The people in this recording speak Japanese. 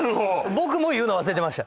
僕も言うの忘れてました